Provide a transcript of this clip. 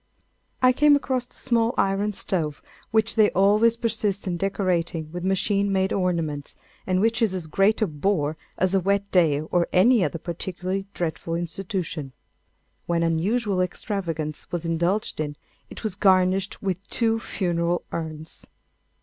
I came across the small iron stove which they always persist in decorating with machine made ornaments, and which is as great a bore as a wet day or any other particularly dreadful institution. When unusual extravagance was indulged in, it was garnished with two funeral urns.